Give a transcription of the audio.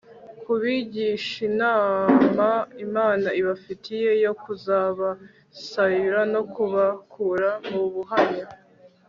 kubigishinama Imana ibafitiye yo kuzabasayura no kubakura mu buhanya